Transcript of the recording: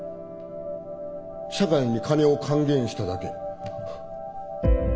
「社会に金を還元しただけ」。